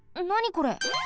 これ！